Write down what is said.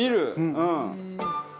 うん。